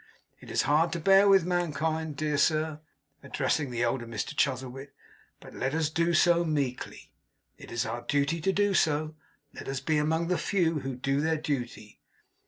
It is hard to bear with mankind, dear sir' addressing the elder Mr Chuzzlewit; 'but let us do so meekly. It is our duty so to do. Let us be among the Few who do their duty.